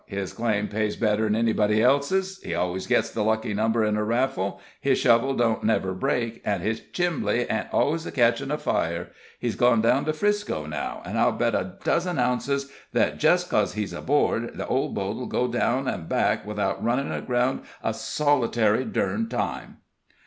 His claim pays better'n anybody else's; he always gets the lucky number at a raffle, his shovel don't never break, an' his chimbly ain't always catchin' a fire. He's gone down to 'Frisco now, an' I'll bet a dozen ounces that jest cos he's aboard, the old boat'll go down an' back without runnin' aground a solitary durned time."